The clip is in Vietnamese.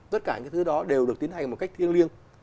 tất cả những thứ đó đều được tiến hành một cách thiêng liêng